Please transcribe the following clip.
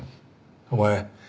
お前